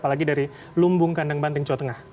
apalagi dari lumbung kandang banteng jawa tengah